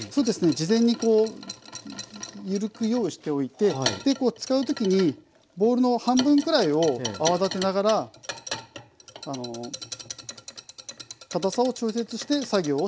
事前にこう緩く用意しておいて使うときにボウルの半分くらいを泡立てながらかたさを調節して作業をしていきます。